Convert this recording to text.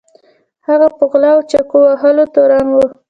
هغه په غلا او چاقو وهلو تورن و.